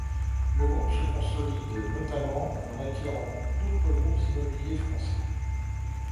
Le groupe se consolide notamment en acquérant d'autres groupes immobiliers français.